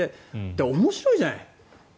で、面白いじゃない？